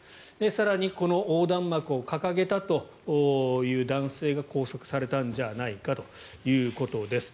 更に、この横断幕を掲げたという男性が拘束されたんじゃないかということです。